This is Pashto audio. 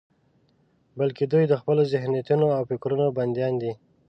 بلکې دوی د خپلو ذهنيتونو او فکرونو بندیان دي.